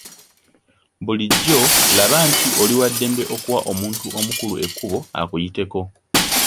Bulijjo laba nti oli wa ddembe okuwa omuntu omukulu ekkubo akuyiteko.